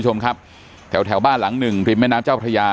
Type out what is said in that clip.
ชมครับแถวแถวบ้านหลังหนึ่งริมแม่น้ำเจ้าพระยา